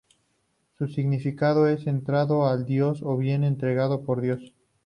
Su significado es "entregado a Dios", o bien "entregado por Dios".